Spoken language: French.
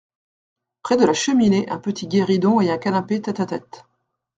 Près de la cheminée un petit guéridon et un canapé tête-à-tête.